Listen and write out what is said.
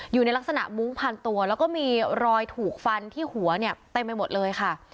อยู่ในลักษณะมุ้งพันตัวแล้วก็มีรอยถูกฟันที่หัวเนี่ยเต็มไปหมดเลยค่ะ